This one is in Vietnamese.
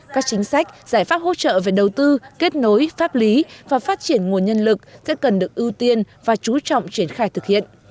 các chính sách giải pháp hỗ trợ về đầu tư kết nối pháp lý và phát triển nguồn nhân lực sẽ cần được ưu tiên và chú trọng triển khai thực hiện